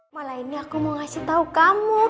malah ini aku mau ngasih tahu kamu